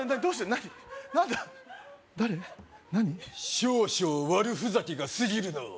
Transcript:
少々悪ふざけが過ぎるのう